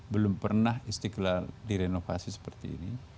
belum pernah istiqlal direnovasi seperti ini